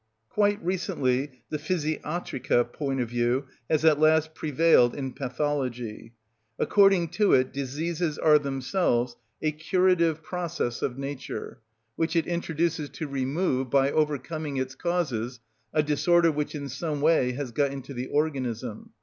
Quite recently the physiatrica point of view has at last prevailed in pathology. According to it diseases are themselves a curative process of nature, which it introduces to remove, by overcoming its causes, a disorder which in some way has got into the organism.